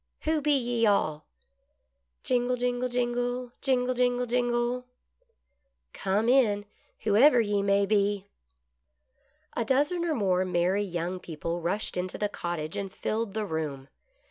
" Who be ye all " Jingle., jingle, jingle. Jingle, jingle, jiitgle !" Come in, whoever ye may be." A dozen or more merry young people rushed into the cottage, and filled the room.